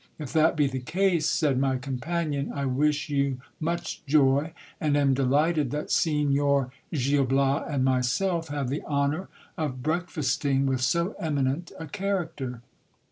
If that be the case, said my companion, I wish you much joy, and am delighted that Signor Gil Bias and myself have the honour of break fisting with so eminent a character.